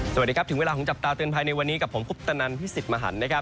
สวัสดีครับถึงเวลาของจับตาเตือนภัยในวันนี้กับผมคุปตนันพิสิทธิ์มหันนะครับ